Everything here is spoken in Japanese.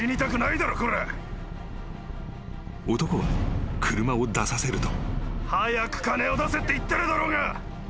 ［男は車を出させると］